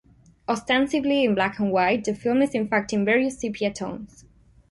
Ostensibly in black-and-white, the film is in fact in various sepia tones.